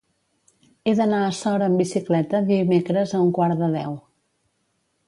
He d'anar a Sora amb bicicleta dimecres a un quart de deu.